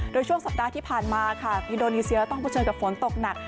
โดยช่วงสัปดาห์ที่ผ่านมาค่ะอินโดนีเซียต้องเผชิญกับฝนตกหนัก